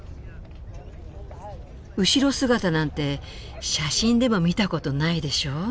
後ろ姿なんて写真でも見たことないでしょう。